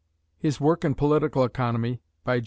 HIS WORK IN POLITICAL ECONOMY.